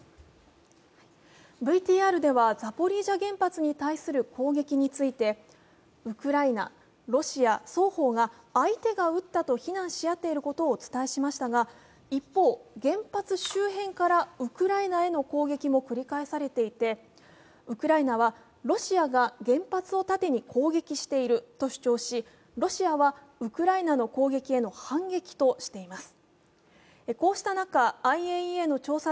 ＶＴＲではザポリージャ原発に対する攻撃についてウクライナ、ロシア、双方が相手が撃ったと非難し合っていることをお伝えしましたが、一方、原発周辺からウクライナへの攻撃も繰り返されていてウクライナは、ロシアが原発を盾に攻撃をしていると主張しロシアはウクライナの攻撃への反撃としています。